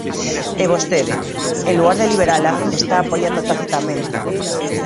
E vostede, en lugar de liberala, estaa apoiando tacitamente.